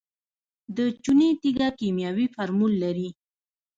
د چونې تیږه کیمیاوي فورمول لري.